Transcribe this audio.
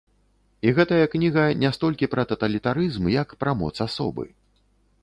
І гэтая кніга не столькі пра таталітарызм, як пра моц асобы.